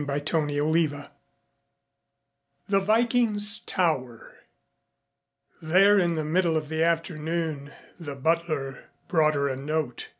CHAPTER IX THE VIKING'S TOWER There in the middle of the afternoon the butler brought her a note.